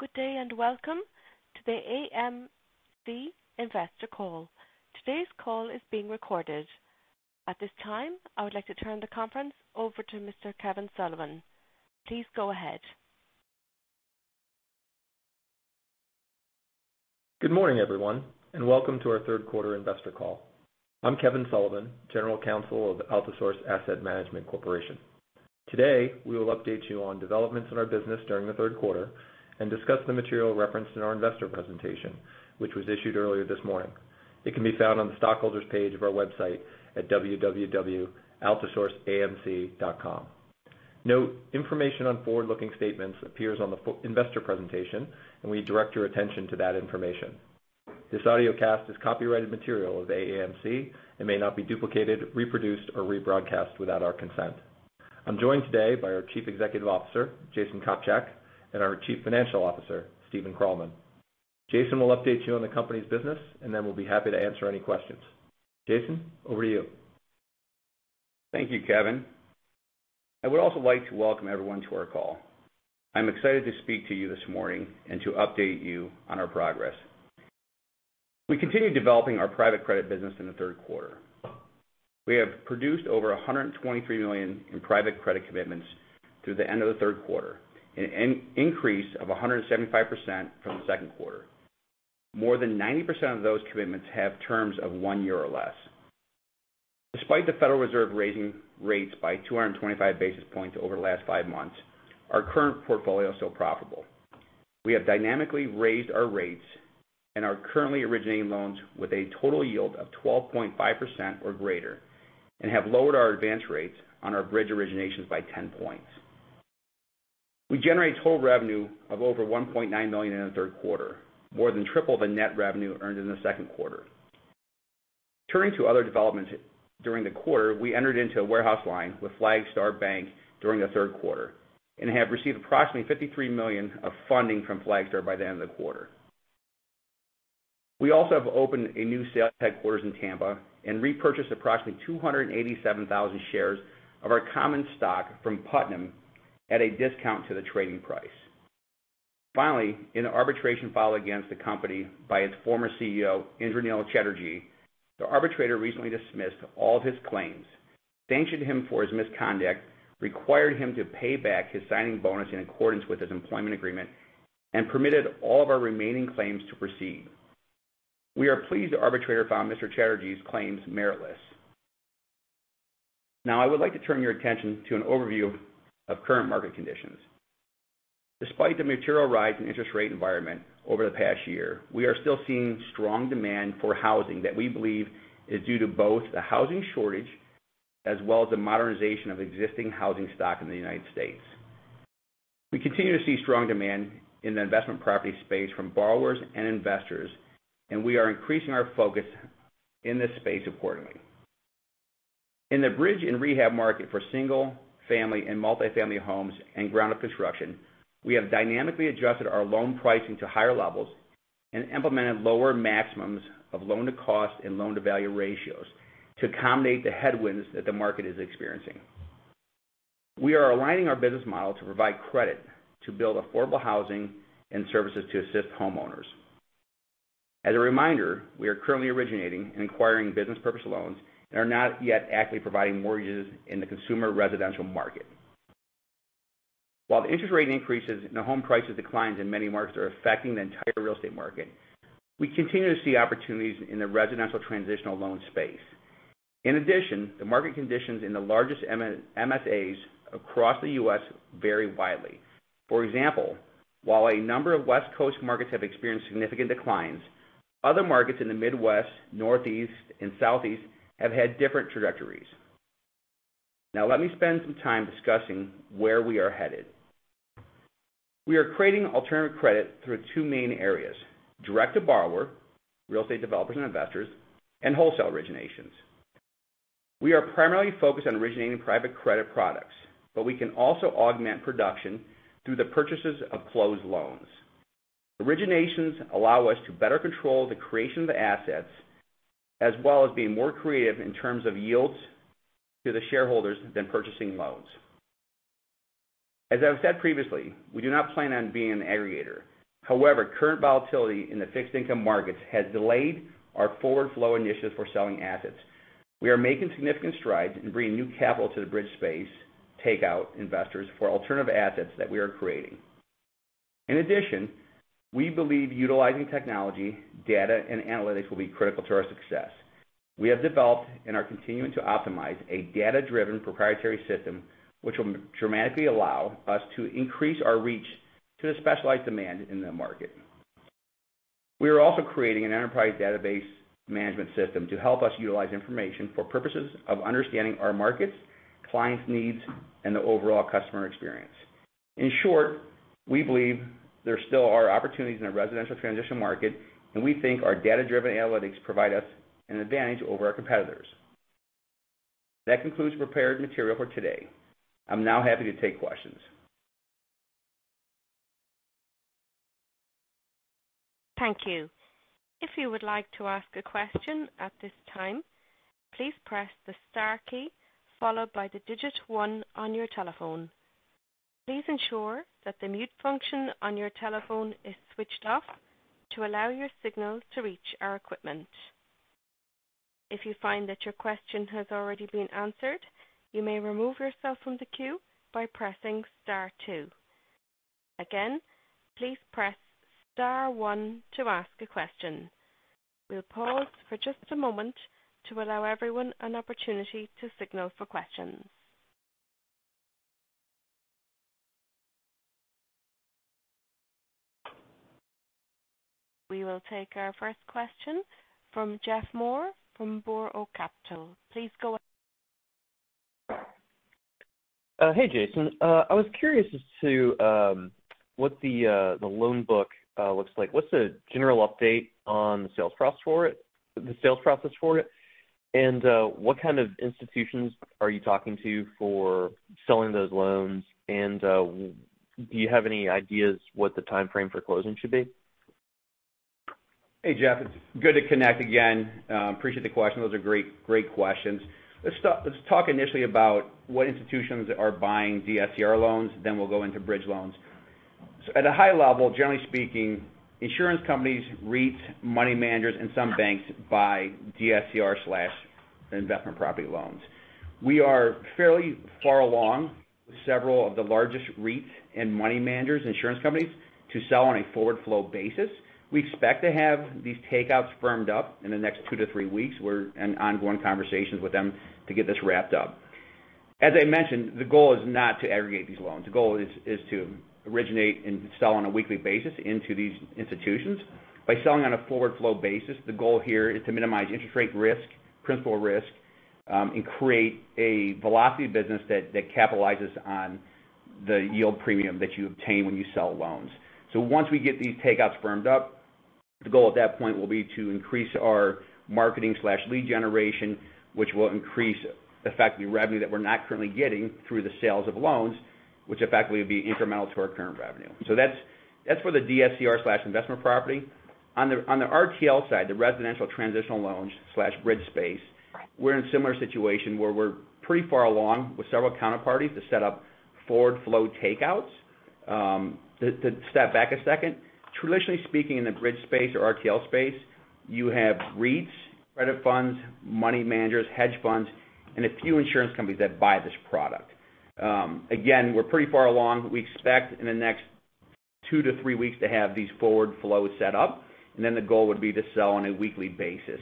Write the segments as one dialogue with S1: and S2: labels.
S1: Good day, and welcome to the AAMC Investor Call. Today's call is being recorded. At this time, I would like to turn the conference over to Mr. Kevin Sullivan. Please go ahead.
S2: Good morning, everyone, and welcome to our third quarter investor call. I'm Kevin Sullivan, General Counsel of Altisource Asset Management Corporation. Today, we will update you on developments in our business during the third quarter and discuss the material referenced in our investor presentation, which was issued earlier this morning. It can be found on the stockholders page of our website at www.altisourceamc.com. Note, information on forward-looking statements appears on the investor presentation, and we direct your attention to that information. This audiocast is copyrighted material of AAMC and may not be duplicated, reproduced, or rebroadcast without our consent. I'm joined today by our Chief Executive Officer, Jason Kopcak, and our Chief Financial Officer, Stephen Krallman. Jason will update you on the company's business, and then we'll be happy to answer any questions. Jason, over to you.
S3: Thank you, Kevin. I would also like to welcome everyone to our call. I'm excited to speak to you this morning and to update you on our progress. We continued developing our private credit business in the third quarter. We have produced over $123 million in private credit commitments through the end of the third quarter, an increase of 175% from the second quarter. More than 90% of those commitments have terms of one year or less. Despite the Federal Reserve raising rates by 225 basis points over the last five months, our current portfolio is still profitable. We have dynamically raised our rates and are currently originating loans with a total yield of 12.5% or greater and have lowered our advance rates on our bridge originations by 10 points. We generate total revenue of over $1.9 million in the third quarter, more than triple the net revenue earned in the second quarter. Turning to other developments during the quarter, we entered into a warehouse line with Flagstar Bank during the third quarter and have received approximately $53 million of funding from Flagstar by the end of the quarter. We also have opened a new sales headquarters in Tampa and repurchased approximately 287,000 shares of our common stock from Putnam at a discount to the trading price. Finally, in an arbitration filed against the company by its Former Chief Executive Officer, Indranil Chatterjee, the arbitrator recently dismissed all of his claims, sanctioned him for his misconduct, required him to pay back his signing bonus in accordance with his employment agreement, and permitted all of our remaining claims to proceed. We are pleased the arbitrator found Mr. Chatterjee's claims meritless. Now, I would like to turn your attention to an overview of current market conditions. Despite the material rise in interest rate environment over the past year, we are still seeing strong demand for housing that we believe is due to both the housing shortage as well as the modernization of existing housing stock in the United States. We continue to see strong demand in the investment property space from borrowers and investors, and we are increasing our focus in this space accordingly. In the bridge and rehab market for single family and multifamily homes and ground-up construction, we have dynamically adjusted our loan pricing to higher levels and implemented lower maximums of loan to cost and loan to value ratios to accommodate the headwinds that the market is experiencing. We are aligning our business model to provide credit to build affordable housing and services to assist homeowners. As a reminder, we are currently originating and acquiring business purpose loans and are not yet actively providing mortgages in the consumer residential market. While the interest rate increases and the home prices decline in many markets are affecting the entire real estate market, we continue to see opportunities in the residential transitional loan space. In addition, the market conditions in the largest MSAs across the U.S. vary widely. For example, while a number of West Coast markets have experienced significant declines, other markets in the Midwest, Northeast, and Southeast have had different trajectories. Now, let me spend some time discussing where we are headed. We are creating alternative credit through two main areas, direct to borrower, real estate developers and investors, and wholesale originations. We are primarily focused on originating private credit products, but we can also augment production through the purchases of closed loans. Originations allow us to better control the creation of the assets as well as being more creative in terms of yields to the shareholders than purchasing loans. As I've said previously, we do not plan on being an aggregator. However, current volatility in the fixed income markets has delayed our forward flow initiatives for selling assets. We are making significant strides in bringing new capital to the bridge space take-out investors for alternative assets that we are creating. In addition we believe utilizing technology, data, and analytics will be critical to our success. We have developed and are continuing to optimize a data-driven proprietary system which will dramatically allow us to increase our reach to the specialized demand in the market. We are also creating an enterprise database management system to help us utilize information for purposes of understanding our markets, clients' needs, and the overall customer experience. In short, we believe there still are opportunities in the residential transition market, and we think our data-driven analytics provide us an advantage over our competitors. That concludes the prepared material for today. I'm now happy to take questions.
S1: Thank you. If you would like to ask a question at this time, please press the star key followed by the digit one on your telephone. Please ensure that the mute function on your telephone is switched off to allow your signal to reach our equipment. If you find that your question has already been answered, you may remove yourself from the queue by pressing star two. Again, please press star one to ask a question. We'll pause for just a moment to allow everyone an opportunity to signal for questions. We will take our first question from Jeff Moore from Burr Oak Capital. Please go ahead.
S4: Hey, Jason. I was curious as to what the loan book looks like. What's the general update on the sales process for it? What kind of institutions are you talking to for selling those loans? Do you have any ideas what the timeframe for closing should be?
S3: Hey, Jeff, it's good to connect again. Appreciate the question. Those are great questions. Let's talk initially about what institutions are buying DSCR loans, then we'll go into bridge loans. At a high level, generally speaking, insurance companies, REITs, money managers, and some banks buy DSCR/investment property loans. We are fairly far along with several of the largest REITs and money managers, insurance companies to sell on a forward flow basis. We expect to have these takeouts firmed up in the next two to three weeks. We're in ongoing conversations with them to get this wrapped up. As I mentioned, the goal is not to aggregate these loans. The goal is to originate and sell on a weekly basis into these institutions. By selling on a forward flow basis, the goal here is to minimize interest rate risk, principal risk, and create a velocity of business that capitalizes on the yield premium that you obtain when you sell loans. Once we get these takeouts firmed up, the goal at that point will be to increase our marketing/lead generation, which will increase effectively revenue that we're not currently getting through the sales of loans, which effectively will be incremental to our current revenue. That's for the DSCR/investment property. On the RTL side, the residential transitional loans/bridge space, we're in a similar situation where we're pretty far along with several counterparties to set up forward flow takeouts. To step back a second, traditionally speaking, in the bridge space or RTL space, you have REITs, credit funds, money managers, hedge funds, and a few insurance companies that buy this product. Again, we're pretty far along. We expect in the next two to three weeks to have these forward flows set up, and then the goal would be to sell on a weekly basis.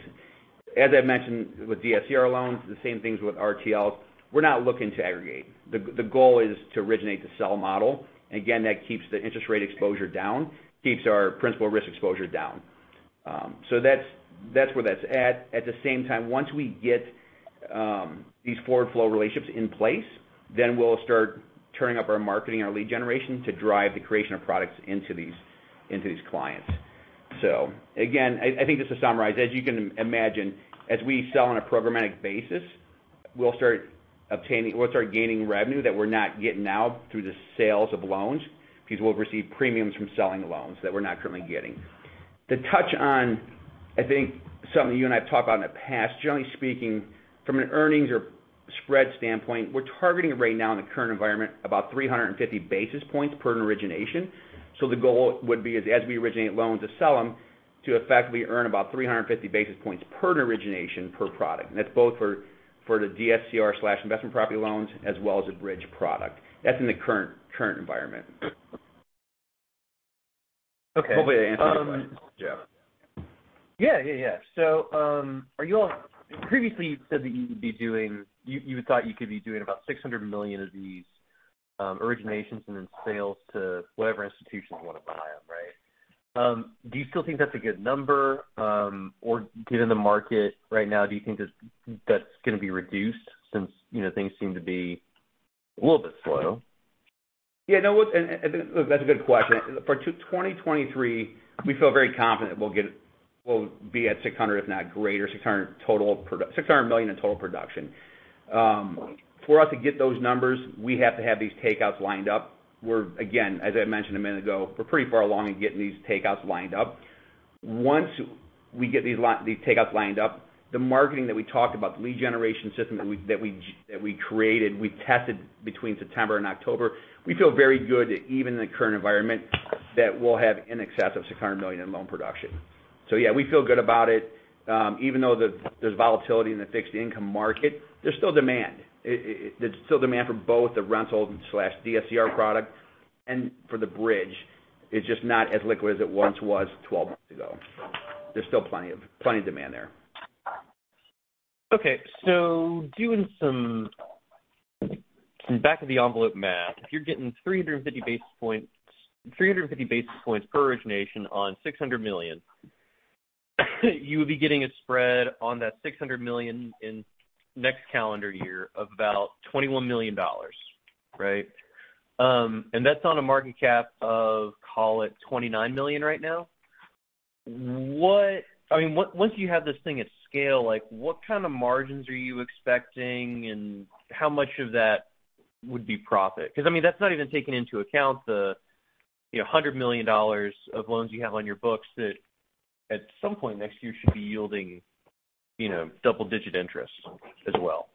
S3: As I mentioned with DSCR loans, the same things with RTL. We're not looking to aggregate. The goal is to originate the sell model. Again, that keeps the interest rate exposure down, keeps our principal risk exposure down. That's where that's at. At the same time, once we get these forward flow relationships in place, we'll start turning up our marketing, our lead generation to drive the creation of products into these clients. Again, I think just to summarize, as you can imagine, as we sell on a programmatic basis, we'll start gaining revenue that we're not getting now through the sales of loans because we'll receive premiums from selling loans that we're not currently getting. To touch on, I think something you and I have talked about in the past, generally speaking, from an earnings or spread standpoint, we're targeting right now in the current environment about 350 basis points per origination. The goal would be as we originate loans, to sell them to effectively earn about 350 basis points per origination per product. That's both for the DSCR/investment property loans as well as the bridge product. That's in the current environment.
S4: Okay.
S3: Hopefully I answered your question, Jeff.
S4: Yeah. Previously, you said that you thought you could be doing about $600 million of these originations and then sales to whatever institutions want to buy them, right? Do you still think that's a good number? Or given the market right now, do you think that's gonna be reduced since you know things seem to be a little bit slow?
S3: Yeah, no look and that's a good question. For 2023, we feel very confident we'll be at $600 million, if not greater in total production. For us to get those numbers, we have to have these takeouts lined up where again as I mentioned a minute ago, we're pretty far along in getting these takeouts lined up. Once we get these takeouts lined up, the marketing that we talked about, the lead generation system that we created, we tested between September and October, we feel very good that even in the current environment, that we'll have in excess of $600 million in loan production. Yeah, we feel good about it. Even though there's volatility in the fixed income market, there's still demand. There's still demand for both the rental/DSCR product and for the bridge. It's just not as liquid as it once was 12 months ago. There's still plenty of demand there.
S4: Okay doing some back of the envelope math, if you're getting 350 basis points per origination on $600 million, you would be getting a spread on that $600 million in next calendar year of about $21 million, right? That's on a market cap of, call it $29 million right now. I mean, once you have this thing at scale, like what kind of margins are you expecting, and how much of that would be profit. 'Cause I mean, that's not even taking into account the you know $100 million of loans you have on your books that at some point next year should be yielding you know double-digit interest as well.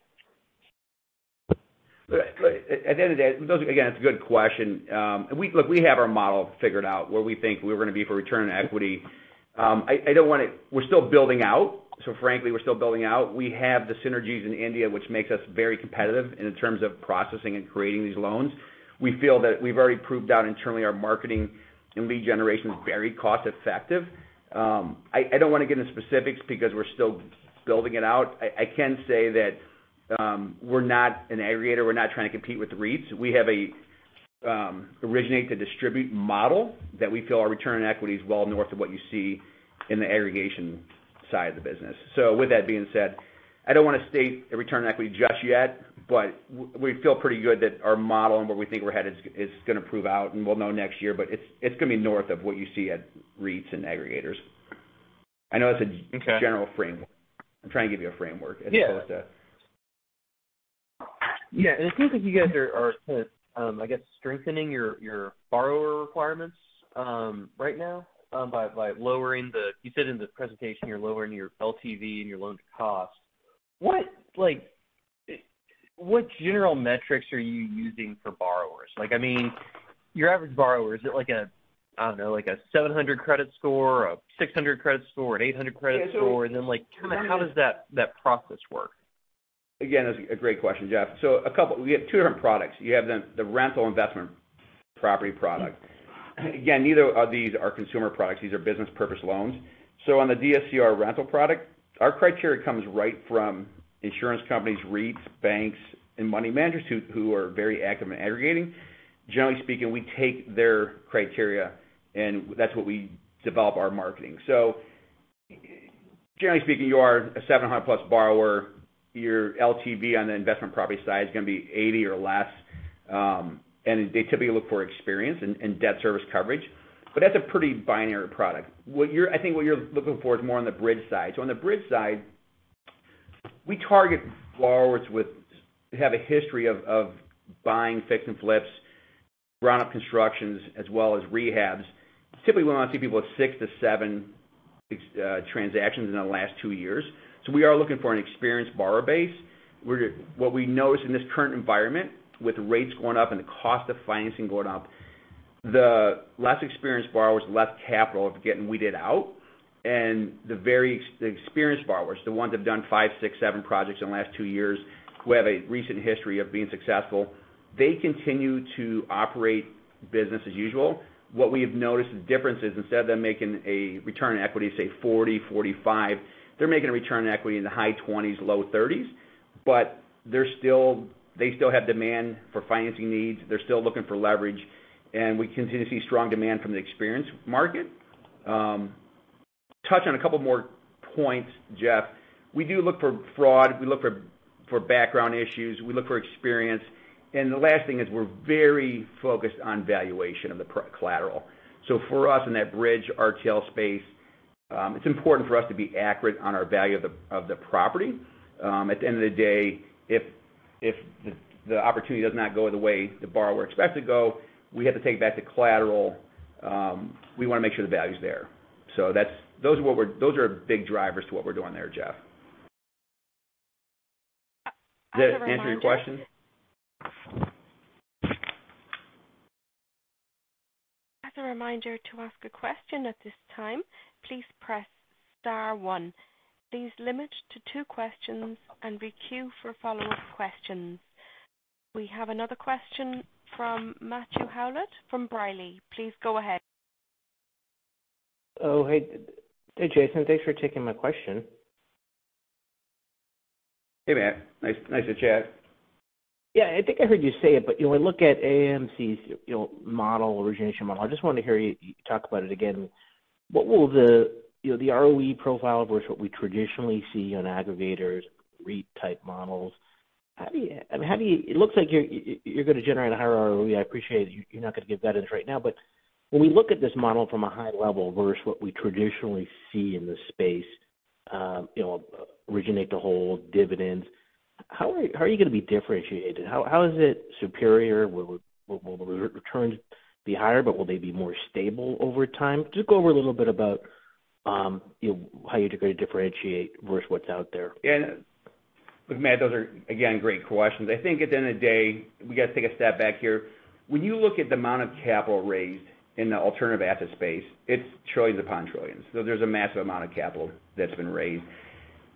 S3: At the end of the day, those are. Again, it's a good question. Look, we have our model figured out where we think we're gonna be for return on equity. We're still building out, so frankly we're still building out. We have the synergies in India, which makes us very competitive in terms of processing and creating these loans. We feel that we've already proved out internally our marketing and lead generation is very cost effective. I don't wanna get into specifics because we're still building it out. I can say that we're not an aggregator. We're not trying to compete with the REITs. We have a originate to distribute model that we feel our return on equity is well north of what you see in the aggregation side of the business. With that being said I don't wanna state a return on equity just yet, but we feel pretty good that our model and where we think we're headed is gonna prove out, and we'll know next year. It's gonna be north of what you see at REITs and aggregators. I know that's a.
S4: Okay.
S3: I'm trying to give you a framework as opposed to.
S4: Yeah. It seems like you guys are sort of, I guess strengthening your borrower requirements right now by lowering the. You said in the presentation you're lowering your LTV and your loan to cost. What general metrics are you using for borrowers? Like I mean your average borrower is it like a I don't know like a 700 credit score, a 600 credit score, an 800 credit score? And then like how does that process work?
S3: Again, that's a great question, Jeff. A couple We have two different products. You have the rental investment property product. Again, neither of these are consumer products. These are business purpose loans. On the DSCR rental product, our criteria comes right from insurance companies, REITs, banks, and money managers who are very active in aggregating. Generally speaking, we take their criteria, and that's what we develop our marketing. Generally speaking, you are a 700+ borrower. Your LTV on the investment property side is gonna be 80 or less. They typically look for experience and debt service coverage. That's a pretty binary product. I think what you're looking for is more on the bridge side. On the bridge side, we target borrowers with a history of buying fix and flips, ground-up constructions, as well as rehabs. Typically, we wanna see people with six to seven transactions in the last two years. We are looking for an experienced borrower base. What we notice in this current environment, with rates going up and the cost of financing going up, the less experienced borrowers with less capital are getting weeded out. The very experienced borrowers, the ones that have done five, six, seven projects in the last two years, who have a recent history of being successful, they continue to operate business as usual. What we have noticed the difference is instead of them making a return on equity, say 40-45, they're making a return on equity in the high twenties, low thirties. They're still have demand for financing needs. They're still looking for leverage, and we continue to see strong demand from the experienced market. Touch on a couple more points, Jeff. We do look for fraud. We look for background issues. We look for experience. The last thing is we're very focused on valuation of the property collateral. For us in that bridge RTL space, it's important for us to be accurate on our value of the property. At the end of the day, if the opportunity does not go the way the borrower expects it to go, we have to take back the collateral. We wanna make sure the value is there. Those are big drivers to what we're doing there, Jeff.
S1: As a reminder.
S3: Does that answer your question?
S1: As a reminder to ask a question at this time, please press star one. Please limit to two questions and queue for follow-up questions. We have another question from Matthew Howlett from B. Riley. Please go ahead.
S5: Oh, hey. Hey, Jason. Thanks for taking my question.
S3: Hey, Matt. Nice to chat.
S5: Yeah. I think I heard you say it, but when we look at AAMC's, you know model origination model, I just wanted to hear you talk about it again. What will the, you know, the ROE profile versus what we traditionally see on aggregators, REIT type models. How do you, I mean how do you. It looks like you're gonna generate a higher ROE. I appreciate it, you're not gonna give guidance right now, but when we look at this model from a high level versus what we traditionally see in this space, you know, originate to hold dividends, how are you gonna be differentiated? How is it superior? Will the returns be higher, but will they be more stable over time? Just go over a little bit about, you know, how you're gonna differentiate versus what's out there.
S3: Yeah. Look Matt, those are again great questions. I think at the end of the day we gotta take a step back here. When you look at the amount of capital raised in the alternative asset space, it's trillions upon trillions. There's a massive amount of capital that's been raised.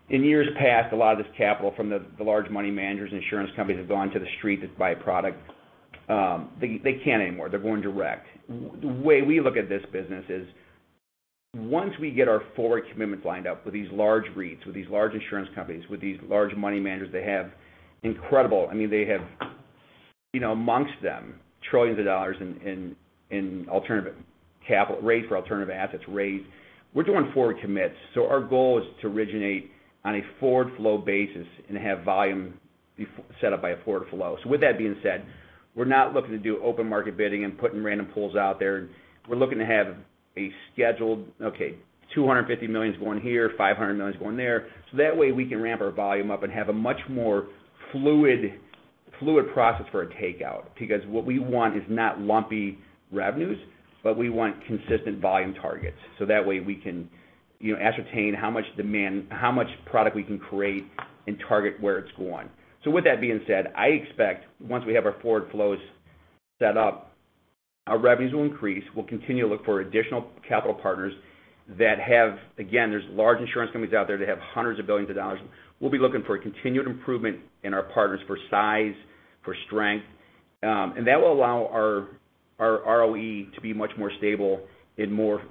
S3: In years past, a lot of this capital from the large money managers, insurance companies have gone to the street to buy product. They can't anymore. They're going direct. The way we look at this business is once we get our forward commitments lined up with these large REITs, with these large insurance companies, with these large money managers, they have incredible. I mean, they have you know amongst them trillions of dollars in alternative capital, raised for alternative assets raised. We're doing forward commits, so our goal is to originate on a forward flow basis and have volume be set up by a forward flow. With that being said we're not looking to do open market bidding and putting random pools out there. We're looking to have a scheduled okay $250 million is going here, $500 million is going there. That way we can ramp our volume up and have a much more fluid process for a takeout, because what we want is not lumpy revenues, but we want consistent volume targets. That way we can, you know, ascertain how much demand, how much product we can create and target where it's going. With that being said, I expect once we have our forward flows set up our revenues will increase. We'll continue to look for additional capital partners that have, again, there's large insurance companies out there that have hundreds of billions of dollars. We'll be looking for a continued improvement in our partners for size, for strength, and that will allow our ROE to be much more stable and more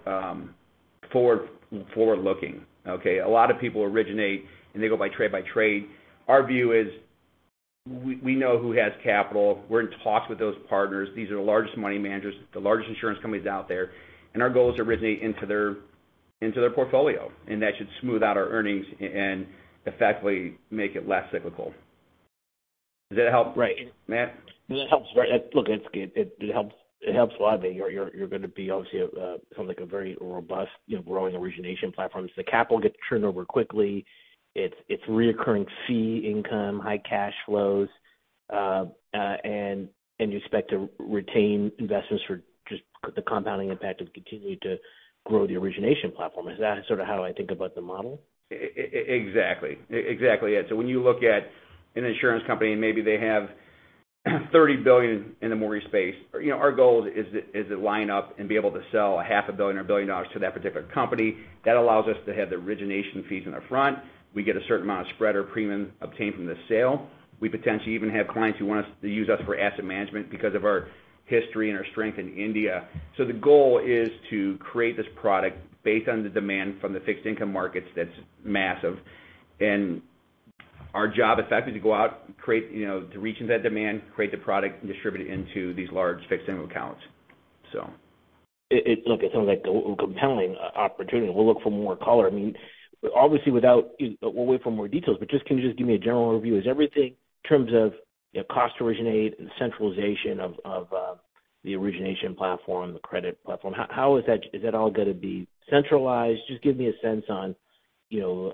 S3: forward-looking. Okay. A lot of people originate and they go by trade by trade. Our view is we know who has capital. We're in talks with those partners. These are the largest money managers, the largest insurance companies out there, and our goal is to originate into their portfolio, and that should smooth out our earnings and effectively make it less cyclical. Does that help?
S5: Right.
S3: Matt?
S5: That helps. Right. Look, it's good. It helps a lot that you're gonna be obviously sound like a very robust, you know, growing origination platform. So the capital gets turned over quickly. It's recurring fee income, high cash flows, and you expect to retain investments for just the compounding impact of continuing to grow the origination platform. Is that sort of how I think about the model?
S3: Exactly. Exactly, yeah When you look at an insurance company and maybe they have $30 billion in the mortgage space you know, our goal is to line up and be able to sell a $500 million or $1 billion to that particular company. That allows us to have the origination fees in the front. We get a certain amount of spread or premium obtained from the sale. We potentially even have clients who want us to use us for asset management because of our history and our strength in India. The goal is to create this product based on the demand from the fixed income markets that's massive. Our job effectively to go out, create, you know, to reach into that demand, create the product, and distribute it into these large fixed income accounts.
S5: Look, it sounds like a compelling opportunity. We'll look for more color. I mean, obviously. We'll wait for more details, but just, can you just give me a general overview? Is everything in terms of, you know, cost to originate and centralization of the origination platform, the credit platform, how is that all gonna be centralized? Just give me a sense on, you know,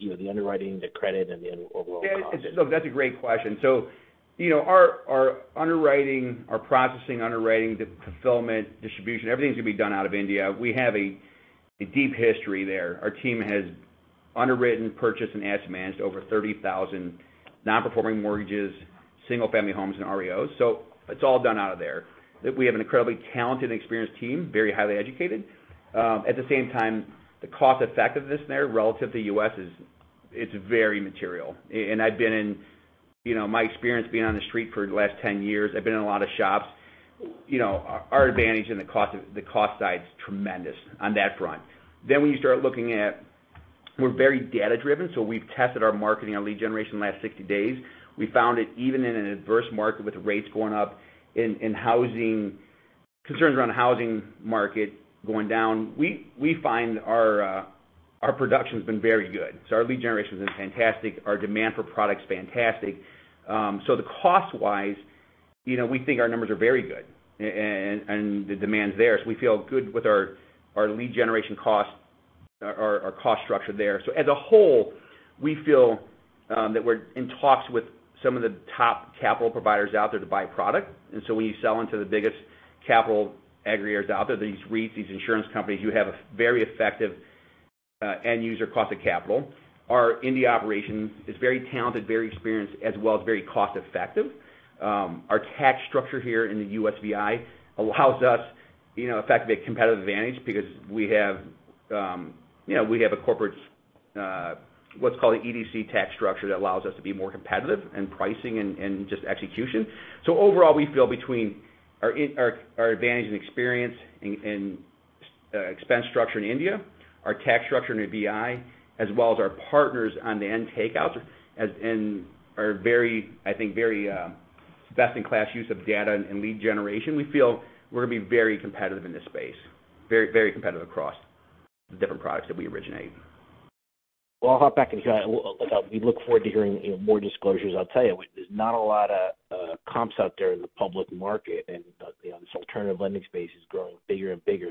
S5: the underwriting, the credit, and the overall cost.
S3: Yeah, look, that's a great question. You know, our underwriting, our processing, the fulfillment, distribution, everything's gonna be done out of India. We have a deep history there. Our team has underwritten, purchased, and asset managed over 30,000 non-performing mortgages, single-family homes, and REOs. It's all done out of there. We have an incredibly talented and experienced team, very highly educated. At the same time, the cost effectiveness there relative to U.S. is, it's very material. And I've been in. You know, my experience being on the street for the last 10 years, I've been in a lot of shops. You know, our advantage in the cost, the cost side is tremendous on that front. When you start looking at we're very data-driven, so we've tested our marketing, our lead generation the last 60 days. We found that even in an adverse market with rates going up and housing concerns around the housing market going down, we find our production's been very good. Our lead generation's been fantastic. Our demand for product's fantastic. The cost-wise, you know, we think our numbers are very good and the demand's there. We feel good with our lead generation cost, our cost structure there. As a whole, we feel that we're in talks with some of the top capital providers out there to buy product. When you sell into the biggest capital aggregators out there, these REITs, these insurance companies, you have a very effective end user cost of capital. Our India operation is very talented, very experienced, as well as very cost-effective. Our tax structure here in the USVI allows us, you know, effectively a competitive advantage because we have, you know, we have a corporate, what's called an EDC tax structure that allows us to be more competitive in pricing and just execution. Overall, we feel between our advantage and experience in expense structure in India, our tax structure in the VI, as well as our partners on the end takeouts, as in our very, I think, very best in class use of data and lead generation, we feel we're gonna be very competitive in this space, very very competitive across the different products that we originate.
S5: Well, I'll hop back in. We look forward to hearing, you know, more disclosures. I'll tell you, there's not a lot of comps out there in the public market and, you know, this alternative lending space is growing bigger and bigger.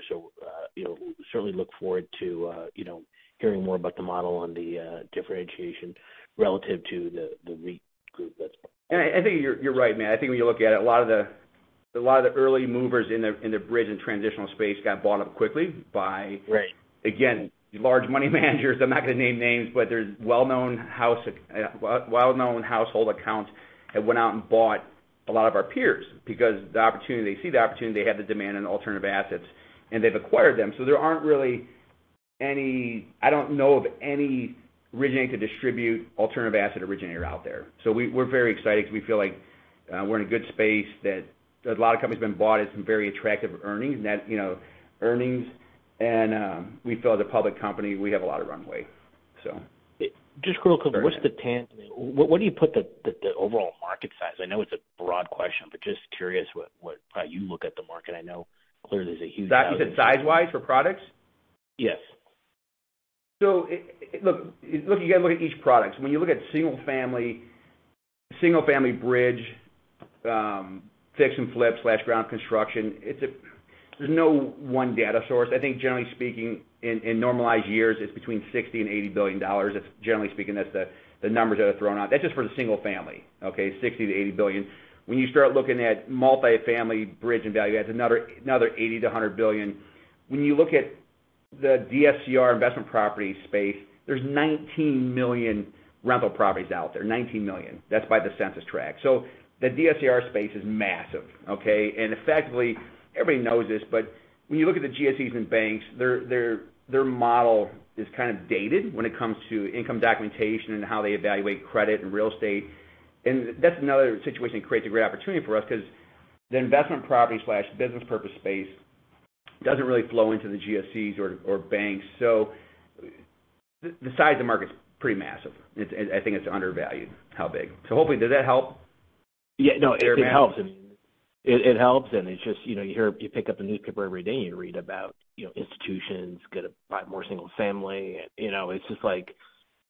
S5: You know, certainly look forward to, you know, hearing more about the model on the differentiation relative to the REIT group that's.
S3: I think you're right, Matt. I think when you look at it, a lot of the early movers in the bridge and transitional space got bought up quickly by.
S5: Right.
S3: Again, large money managers. I'm not gonna name names, but there's well-known household accounts that went out and bought a lot of our peers because the opportunity they see, they have the demand in alternative assets, and they've acquired them. There aren't really any I don't know of any originate to distribute alternative asset originator out there. We're very excited because we feel like we're in a good space that a lot of companies have been bought at some very attractive earnings. That, you know, earnings and we feel as a public company, we have a lot of runway, so.
S5: Just real quick.
S3: Sorry, Matt.
S5: Where do you put the overall market size? I know it's a broad question, but just curious how you look at the market. I know clearly there's a huge
S3: You said size-wise for products?
S5: Yes.
S3: Look, you gotta look at each product. When you look at single-family bridge, fix and flip/ground construction, it's a. There's no one data source. I think generally speaking, in normalized years, it's between $60 billion and $80 billion. It's generally speaking, that's the numbers that are thrown out. That's just for the single-family, okay. $60 billion-$80 billion. When you start looking at multifamily bridge and value, that's another $80 billion-$100 billion. When you look at the DSCR investment property space, there's 19 million rental properties out there. 19 million. That's by the census tract. The DSCR space is massive, okay? Effectively, everybody knows this, but when you look at the GSEs and banks, their model is kind of dated when it comes to income documentation and how they evaluate credit and real estate. That's another situation that creates a great opportunity for us because the investment property/business purpose space doesn't really flow into the GSEs or banks. The size of the market's pretty massive. I think it's undervalued, how big. Hopefully, does that help?
S5: Yeah. No, it helps.
S3: Fair amount.
S5: It helps, and it's just, you know you hear you pick up the newspaper every day, and you read about, you know, institutions gonna buy more single family. You know, it's just like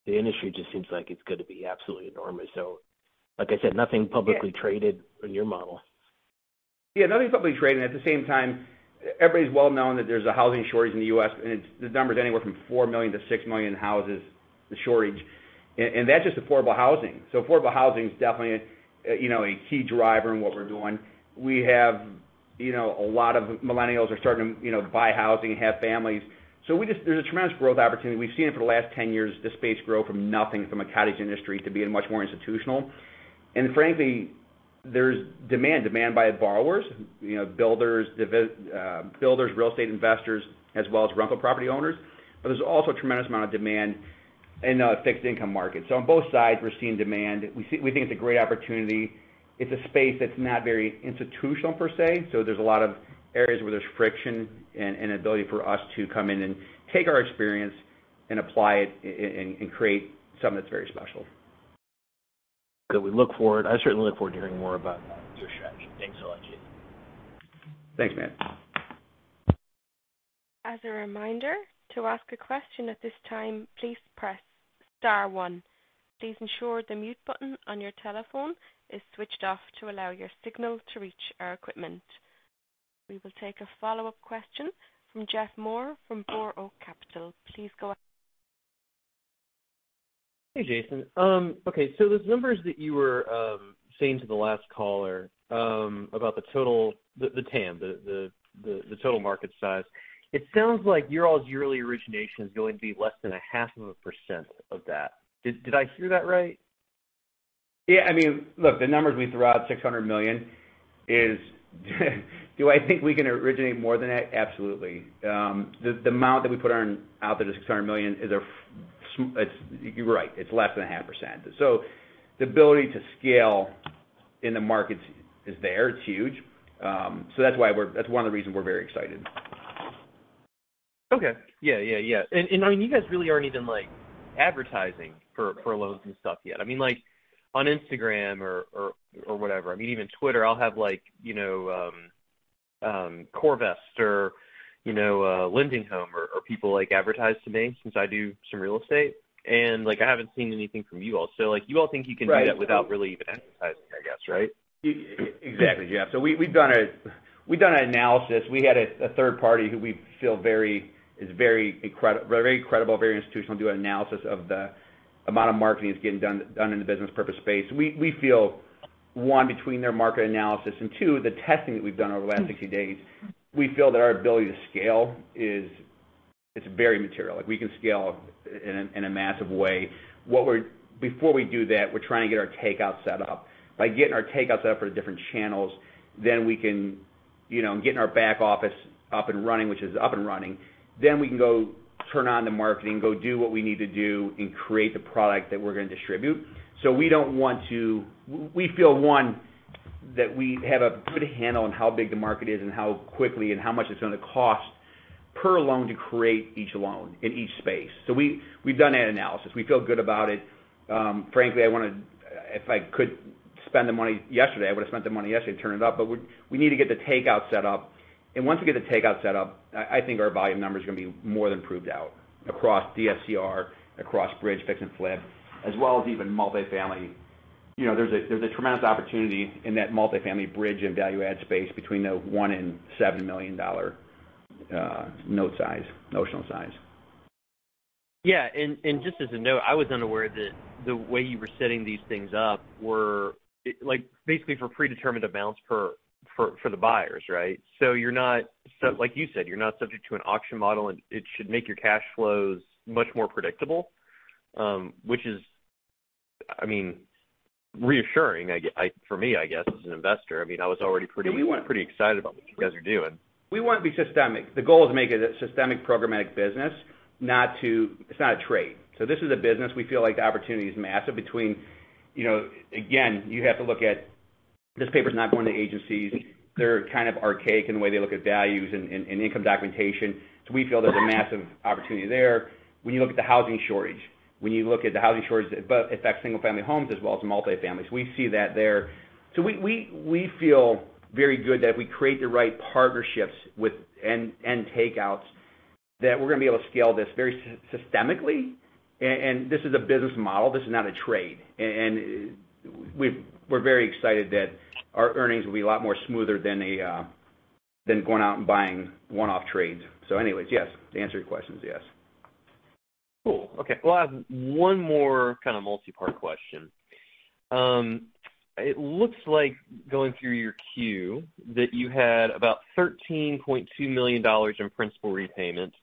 S5: the industry just seems like it's gonna be absolutely enormous. Like I said, nothing publicly traded.
S3: Yeah.
S5: In your model.
S3: Yeah, nothing publicly traded. At the same time, it's well known that there's a housing shortage in the U.S., and the number is anywhere from 4 million-6 million houses, the shortage. That's just affordable housing. Affordable housing is definitely a key driver in what we're doing. A lot of millennials are starting to buy housing and have families. There's a tremendous growth opportunity. We've seen it for the last 10 years, the space grow from nothing, a cottage industry to being much more institutional. Frankly, there's demand by borrowers, builders, real estate investors, as well as rental property owners. There's also a tremendous amount of demand in the fixed income market. On both sides, we're seeing demand. We think it's a great opportunity. It's a space that's not very institutional per se, so there's a lot of areas where there's friction and ability for us to come in and take our experience and apply it and create something that's very special.
S5: Good. I certainly look forward to hearing more about your strategy. Thanks a lot, Jason Kopcak.
S3: Thanks, man.
S1: As a reminder, to ask a question at this time, please press star one. Please ensure the mute button on your telephone is switched off to allow your signal to reach our equipment. We will take a follow-up question from Jeff Moore from Burr Oak Capital. Please go ahead.
S4: Hey, Jason. Okay, those numbers that you were saying to the last caller about the TAM, the total market size. It sounds like your all's yearly origination is going to be less than a half of a percent of that. Did I hear that right?
S3: Yeah. I mean, look, the numbers we threw out, $600 million. Do I think we can originate more than that? Absolutely. The amount that we put out there, the $600 million. You're right. It's less than 0.5%. The ability to scale in the market is there. It's huge. That's one of the reasons we're very excited.
S4: Okay. Yeah. I mean, you guys really aren't even, like, advertising for loans and stuff yet. I mean, like, on Instagram or whatever. I mean, even Twitter, I'll have like, you know, CoreVest or, you know, Kiavi or people, like, advertise to me since I do some real estate. Like, I haven't seen anything from you all. Like, you all think you can do that.
S3: Right.
S4: Without really even advertising, I guess, right?
S3: Yeah, exactly, Jeff. We've done an analysis. We had a third party who we feel is very credible, very institutional, do an analysis of the amount of marketing that's getting done in the business purpose space. We feel, one, between their market analysis and, two, the testing that we've done over the last 60 days, we feel that our ability to scale is very material. Like, we can scale in a massive way. Before we do that, we're trying to get our takeout set up. By getting our takeout set up for the different channels, then we can. You know, getting our back office up and running, which is up and running, then we can go turn on the marketing, go do what we need to do, and create the product that we're gonna distribute. We don't want to. We feel, one, that we have a good handle on how big the market is and how quickly and how much it's gonna cost per loan to create each loan in each space. We've done that analysis. We feel good about it. Frankly, I wanna. If I could spend the money yesterday, I would've spent the money yesterday to turn it up. We need to get the takeout set up. Once we get the takeout set up, I think our volume number is gonna be more than proved out across DSCR, across bridge fix and flip, as well as even multifamily. You know, there's a tremendous opportunity in that multifamily bridge and value add space between the $1 million and $7 million note size, notional size.
S4: Yeah. Just as a note, I was unaware that the way you were setting these things up were, like, basically for predetermined amounts for the buyers, right? So you're not Like you said, you're not subject to an auction model, and it should make your cash flows much more predictable. Which is, I mean, reassuring, for me, I guess, as an investor. I mean, I was already pretty.
S3: We want.
S4: Pretty excited about what you guys are doing.
S3: We wanna be systematic. The goal is to make a systematic programmatic business. It's not a trade. This is a business. We feel like the opportunity is massive between, you know. Again, you have to look at this paper's not going to agencies. They're kind of archaic in the way they look at values and income documentation. We feel there's a massive opportunity there. When you look at the housing shortage, but it affects single-family homes as well as multi-families. We see that there. We feel very good that if we create the right partnerships with end takeouts that we're gonna be able to scale this very systematically. This is a business model, this is not a trade. We're very excited that our earnings will be a lot more smoother than going out and buying one-off trades. Anyways, yes. To answer your questions, yes.
S4: Cool. Okay. Well, I have one more kind of multi-part question. It looks like going through your queue that you had about $13.2 million in principal repayment,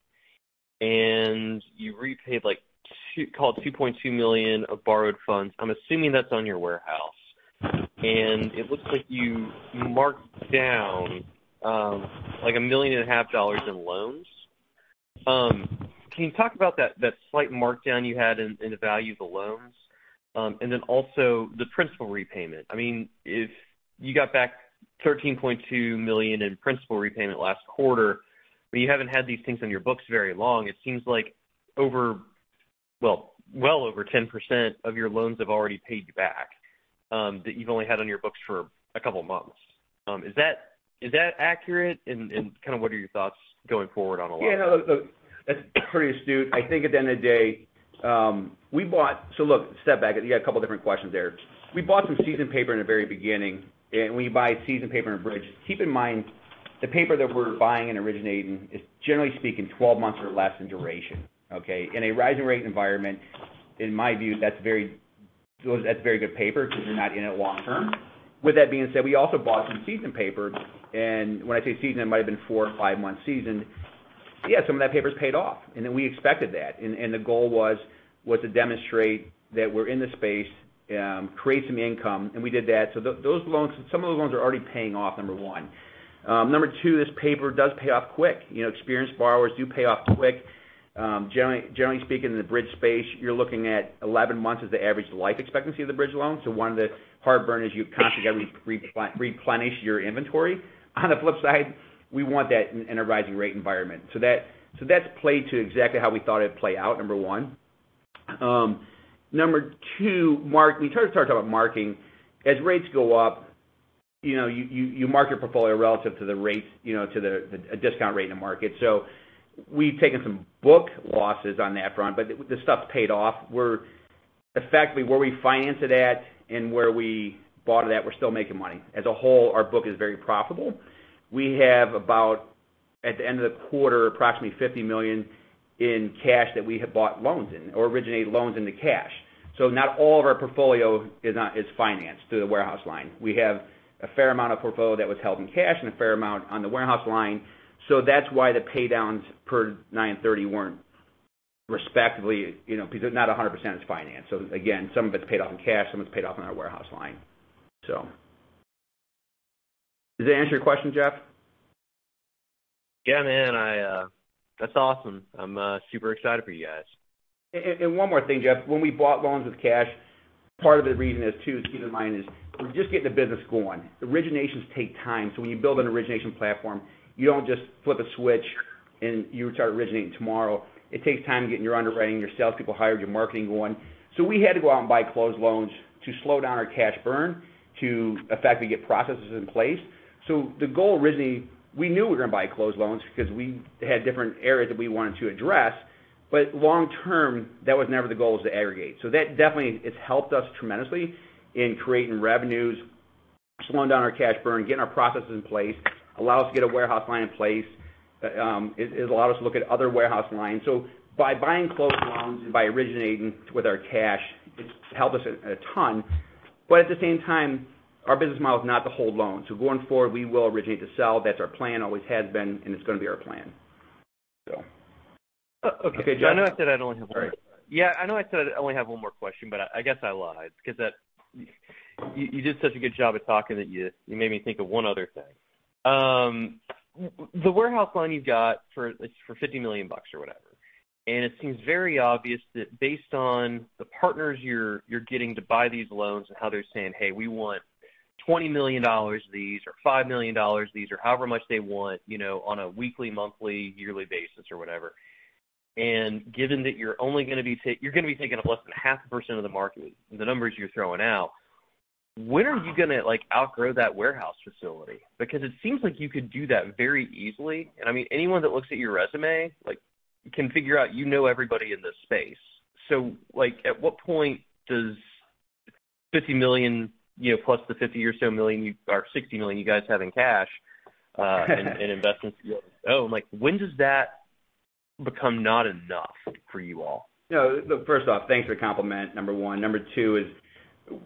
S4: and you repaid like two, call it $2.2 million of borrowed funds. I'm assuming that's on your warehouse. It looks like you marked down like $1.5 million in loans. Can you talk about that slight markdown you had in the value of the loans? Also the principal repayment. I mean, if you got back $13.2 million in principal repayment last quarter, but you haven't had these things on your books very long, it seems like Well over 10% of your loans have already paid you back that you've only had on your books for a couple of months. Is that accurate? Kind of what are your thoughts going forward on a loan?
S3: Yeah. No, that's pretty astute. I think at the end of the day, we bought. Look, step back, you got a couple different questions there. We bought some seasoned paper in the very beginning, and we buy seasoned paper and bridge. Keep in mind, the paper that we're buying and originating is, generally speaking, 12 months or less in duration, okay? In a rising rate environment, in my view, that's very good paper because you're not in it long term. With that being said, we also bought some seasoned paper, and when I say seasoned, it might have been four or five months seasoned. Yeah, some of that paper's paid off, and then we expected that. The goal was to demonstrate that we're in the space, create some income, and we did that. Those loans, some of those loans are already paying off, number one. Number two, this paper does pay off quick. You know, experienced borrowers do pay off quick. Generally speaking, in the bridge space, you're looking at 11 months as the average life expectancy of the bridge loan. One of the hard part is you constantly gotta replenish your inventory. On the flip side, we want that in a rising rate environment. That's played to exactly how we thought it'd play out, number one. Number two, mark. We try to talk about marking. As rates go up you know you mark your portfolio relative to the rates, you know, to the discount rate in the market. We've taken some book losses on that front, but the stuff's paid off. We're Effectively, where we financed it at and where we bought it at, we're still making money. As a whole, our book is very profitable. We have about, at the end of the quarter, approximately $50 million in cash that we have bought loans in or originated loans into cash. Not all of our portfolio is financed through the warehouse line. We have a fair amount of portfolio that was held in cash and a fair amount on the warehouse line. That's why the paydowns per 9/30 weren't respectively, you know, because not 100% is financed. Again, some of it's paid off in cash, some it's paid off on our warehouse line. Does that answer your question, Jeff?
S4: Yeah, man I. That's awesome. I'm super excited for you guys.
S3: One more thing, Jeff. When we bought loans with cash, part of the reason is too, to keep in mind, is we're just getting the business going. Originations take time. When you build an origination platform, you don't just flip a switch and you start originating tomorrow. It takes time to get your underwriting, your sales people hired, your marketing going. We had to go out and buy closed loans to slow down our cash burn to effectively get processes in place. The goal originally, we knew we were gonna buy closed loans because we had different areas that we wanted to address. Long term, that was never the goal was to aggregate. That definitely, it's helped us tremendously in creating revenues, slowing down our cash burn, getting our processes in place, allow us to get a warehouse line in place. It allowed us to look at other warehouse lines. By buying closed loans and by originating with our cash, it's helped us a ton. At the same time, our business model is not to hold loans. Going forward, we will originate to sell. That's our plan, always has been, and it's gonna be our plan.
S4: O-okay.
S3: Okay, Jeff.
S4: I know I said I'd only have one.
S3: Sorry.
S4: Yeah, I know I said I only have one more question, but I guess I lied because you did such a good job at talking that you made me think of one other thing. The warehouse line you've got, it's for $50 million or whatever. It seems very obvious that based on the partners you're getting to buy these loans and how they're saying, "Hey, we want $20 million of these or $5 million of these," or however much they want, you know, on a weekly, monthly, yearly basis or whatever. Given that you're only gonna be taking up less than 0.5% of the market, the numbers you're throwing out, when are you gonna, like, outgrow that warehouse facility? Because it seems like you could do that very easily. I mean, anyone that looks at your resume, like, can figure out you know everybody in this space. Like, at what point does $50 million, you know, plus the $50 million or so or $60 million you guys have in cash, in investments you own. Like, when does that become not enough for you all?
S3: No. First off, thanks for the compliment, number one. number two is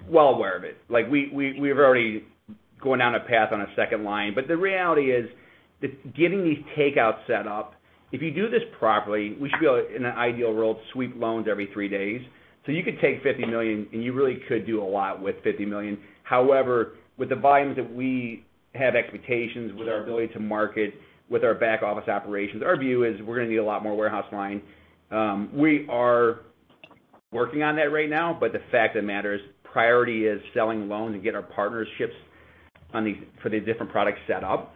S3: well aware of it. Like we're already going down a path on a second line. The reality is that getting these takeouts set up, if you do this properly, we should be able, in an ideal world, sweep loans every three days. You could take $50 million, and you really could do a lot with $50 million. However, with the volumes that we have expectations, with our ability to market, with our back office operations, our view is we're gonna need a lot more warehouse line. We are working on that right now, but the fact of the matter is priority is selling loans and get our partnerships for the different products set up.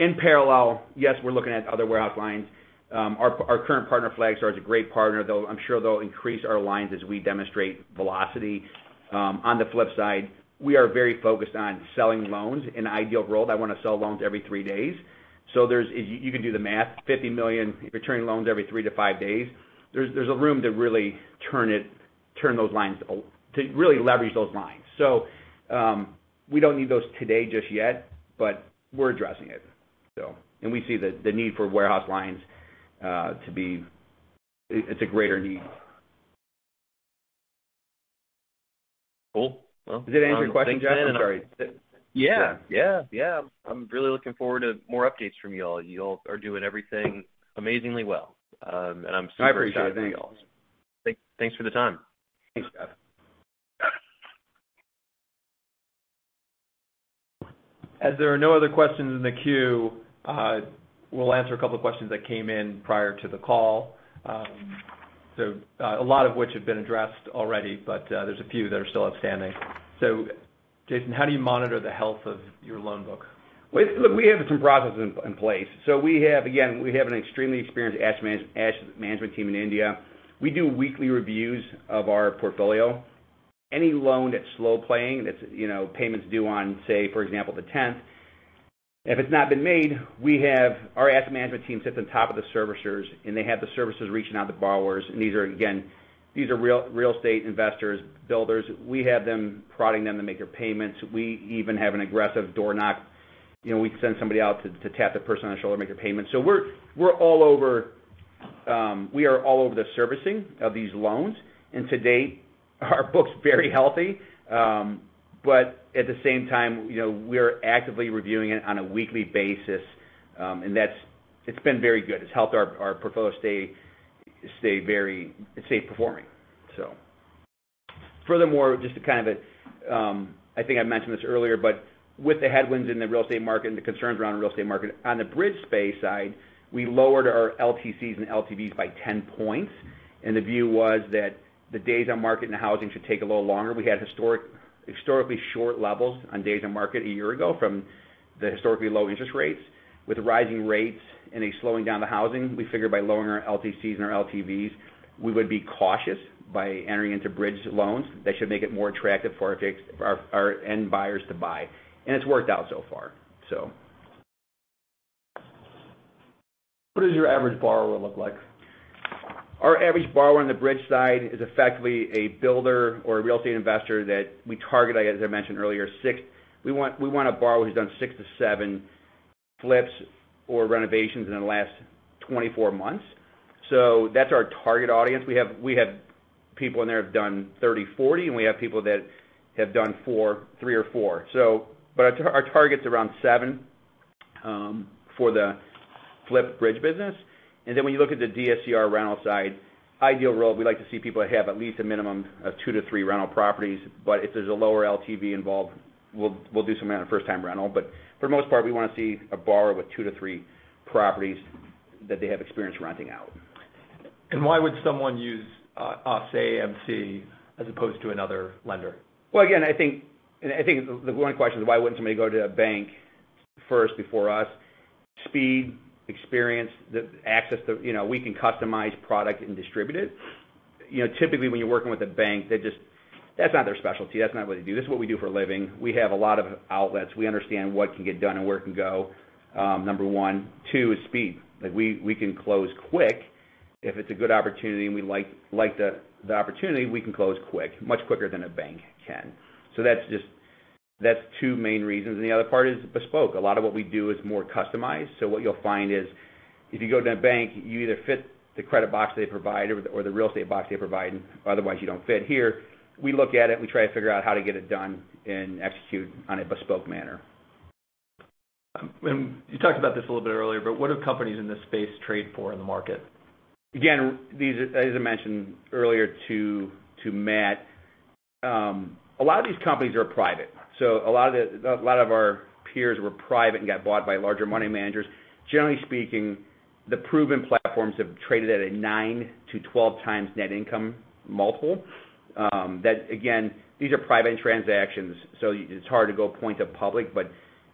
S3: In parallel, yes, we're looking at other warehouse lines. Our current partner, Flagstar, is a great partner. I'm sure they'll increase our lines as we demonstrate velocity. On the flip side, we are very focused on selling loans. In an ideal world, I wanna sell loans every three days. As you can do the math, $50 million, you're returning loans every three to five days. There's room to really turn those lines over to really leverage those lines. We don't need those today just yet, but we're addressing it. We see the need for warehouse lines to be. It's a greater need.
S4: Cool. Well,
S3: Does that answer your question, Jeff? I'm sorry.
S4: Yeah. I'm really looking forward to more updates from y'all. Y'all are doing everything amazingly well. I'm super excited for y'all.
S3: I appreciate that.
S4: Thanks for the time.
S3: Thanks, Jeff.
S2: As there are no other questions in the queue, we'll answer a couple of questions that came in prior to the call. A lot of which have been addressed already, but there's a few that are still outstanding. Jason, how do you monitor the health of your loan book?
S3: Look, we have some processes in place. We have, again, an extremely experienced asset management team in India. We do weekly reviews of our portfolio. Any loan that's slow playing, you know, payments due on, say, for example, the tenth, if it's not been made, we have our asset management team sits on top of the servicers, and they have the servicers reaching out to borrowers. These are, again, real estate investors, builders. We have them prodding them to make their payments. We even have an aggressive door knock. You know, we send somebody out to tap the person on the shoulder, make a payment. We're all over the servicing of these loans. To date, our book's very healthy. At the same time, you know, we're actively reviewing it on a weekly basis, and that's it. It's been very good. It's helped our portfolio stay very safe performing, so. Furthermore, just to kind of, I think I mentioned this earlier, but with the headwinds in the real estate market and the concerns around real estate market. On the bridge space side, we lowered our LTCs and LTVs by 10 points, and the view was that the days on market and housing should take a little longer. We had historically short levels on days on market a year ago from the historically low interest rates. With rising rates and a slowing down of the housing, we figured by lowering our LTCs and our LTVs, we would be cautious by entering into bridge loans. That should make it more attractive for our end buyers to buy. It's worked out so far, so.
S2: What does your average borrower look like?
S3: Our average borrower on the bridge side is effectively a builder or a real estate investor that we target, as I mentioned earlier, six. We want a borrower who's done six to seven flips or renovations in the last 24 months. That's our target audience. We have people in there who have done 30, 40, and we have people that have done four, three or four. Our target's around seven for the flip bridge business. When you look at the DSCR rental side, ideal world, we like to see people that have at least a minimum of two to three rental properties. If there's a lower LTV involved, we'll do some amount of first time rental. For the most part, we wanna see a borrower with two to three properties that they have experience renting out.
S2: Why would someone use us, AAMC, as opposed to another lender?
S3: Well, again, I think the one question is why wouldn't somebody go to a bank first before us? Speed, experience, the access to. You know, we can customize product and distribute it. You know, typically, when you're working with a bank, they just. That's not their specialty. That's not what they do. This is what we do for a living. We have a lot of outlets. We understand what can get done and where it can go, number one. Two is speed. Like, we can close quick. If it's a good opportunity and we like the opportunity, we can close quick, much quicker than a bank can. That's just that. That's two main reasons. The other part is bespoke. A lot of what we do is more customized. What you'll find is if you go to a bank, you either fit the credit box they provide or the real estate box they provide, otherwise you don't fit. Here, we look at it, we try to figure out how to get it done and execute in a bespoke manner.
S2: You talked about this a little bit earlier, but what do companies in this space trade for in the market?
S3: Again, these are as I mentioned earlier to Matt, a lot of these companies are private. A lot of our peers were private and got bought by larger money managers. Generally speaking, the proven platforms have traded at a 9-12x net income multiple. Again, these are private transactions, so it's hard to point to public.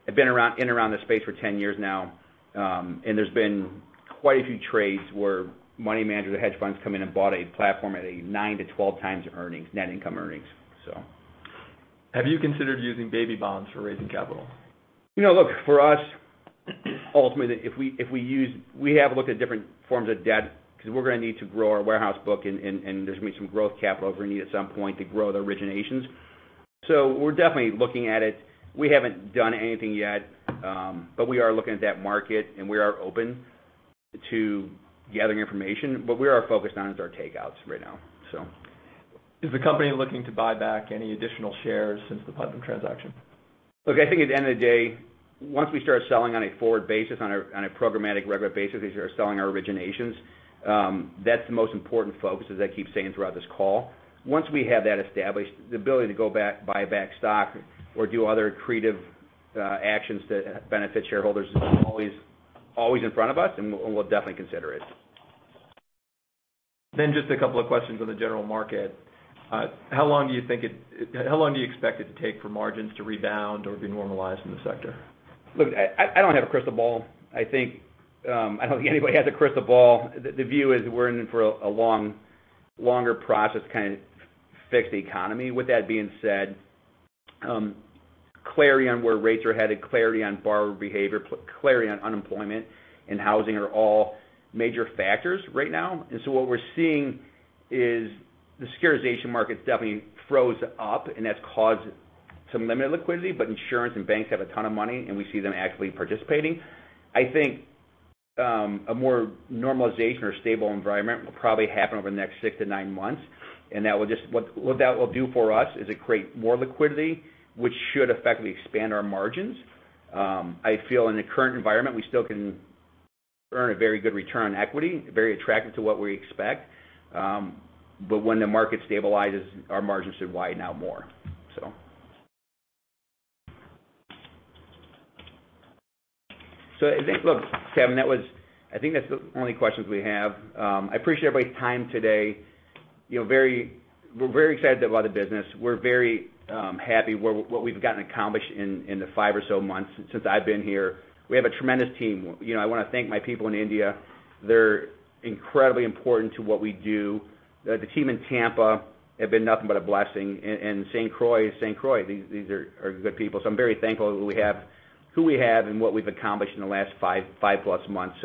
S3: I've been around in and around this space for 10 years now, and there's been quite a few trades where money managers or hedge funds come in and bought a platform at a 9-12x net income earnings.
S2: Have you considered using baby bonds for raising capital?
S3: You know, look, for us, ultimately, we have looked at different forms of debt because we're gonna need to grow our warehouse book and there's gonna be some growth capital we need at some point to grow the originations. We're definitely looking at it. We haven't done anything yet, but we are looking at that market and we are open to gathering information. What we are focused on is our takeouts right now.
S2: Is the company looking to buy back any additional shares since the Putnam transaction?
S3: Look, I think at the end of the day, once we start selling on a forward basis, on a programmatic regular basis, we start selling our originations, that's the most important focus, as I keep saying throughout this call. Once we have that established, the ability to go back, buy back stock or do other creative actions that benefit shareholders is always in front of us and we'll definitely consider it.
S2: Just a couple of questions on the general market. How long do you expect it to take for margins to rebound or be normalized in the sector?
S3: Look, I don't have a crystal ball. I think, I don't think anybody has a crystal ball. The view is we're in for a longer process to kind of fix the economy. With that being said, clarity on where rates are headed, clarity on borrower behavior, clarity on unemployment and housing are all major factors right now. What we're seeing is the securitization market's definitely froze up, and that's caused some limited liquidity, but insurance and banks have a ton of money, and we see them actively participating. I think, a more normalization or stable environment will probably happen over the next six to nine months, and that will just create more liquidity, which should effectively expand our margins. I feel in the current environment, we still can earn a very good return on equity, very attractive to what we expect. When the market stabilizes, our margins should widen out more. I think. Look, Kevin, that was. I think that's the only questions we have. I appreciate everybody's time today. You know, we're very excited about the business. We're very happy with what we've gotten accomplished in the five or so months since I've been here. We have a tremendous team. You know, I wanna thank my people in India. They're incredibly important to what we do. The team in Tampa have been nothing but a blessing. St. Croix, these are good people. I'm very thankful for who we have and what we've accomplished in the last five-plus months.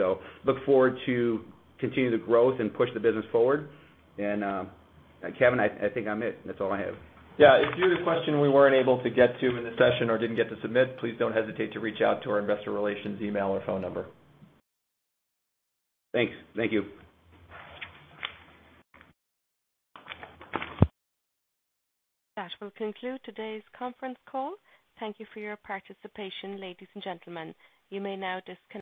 S3: Look forward to continue the growth and push the business forward. Kevin, I think I'm it. That's all I have.
S2: Yeah. If you have a question we weren't able to get to in the session or didn't get to submit, please don't hesitate to reach out to our investor relations email or phone number.
S3: Thanks. Thank you.
S1: That will conclude today's conference call. Thank you for your participation, ladies and gentlemen. You may now disconnect.